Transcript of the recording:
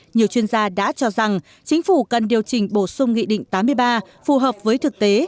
nhiều chuyên gia đã cho rằng chính phủ cần điều chỉnh bổ sung nghị định tám mươi ba phù hợp với thực tế